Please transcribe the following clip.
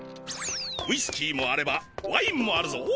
ウイスキーもあればワインもあるぞ。